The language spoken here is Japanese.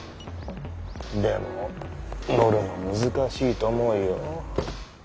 でも乗るの難しいと思うよ？